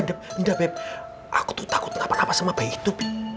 enggak beb aku tuh takut apa dua sama bayi itu